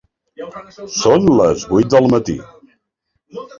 Són les vuit del matí.